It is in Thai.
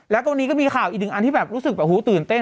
แล้วตรงนี้ก็มีข่าวอีกหนึ่งอันที่แบบรู้สึกแบบตื่นเต้น